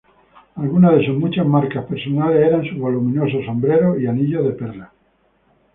Algunas de sus muchas marcas personales eran sus voluminosos sombreros y anillos de perlas.